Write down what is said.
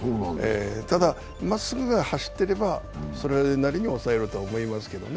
ただ、まっすぐが走っていれば、それなりに抑えると思いますけどね。